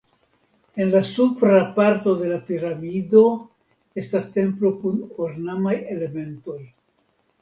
En la supra parto de la piramido estas templo kun ornamaj elementoj.